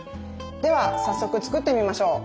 では早速作ってみましょう！